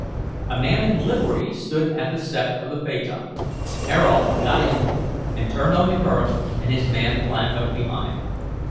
A man in livery stood at the step of the phaeton. Ayrault got in and turned on the current, and his man climbed up behind.